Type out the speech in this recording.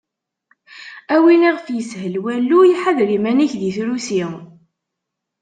A win iɣef yeshel walluy, ḥader iman-ik deg trusi.